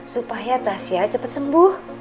supaya tasya cepet sembuh